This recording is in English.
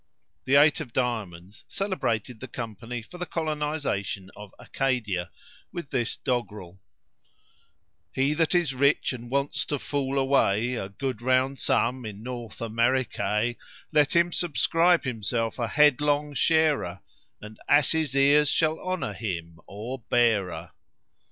The eight of diamonds celebrated the company for the colonisation of Acadia, with this doggrel: "He that is rich and wants to fool away A good round sum in North America, Let him subscribe himself a headlong sharer, And asses' ears shall honour him or bearer."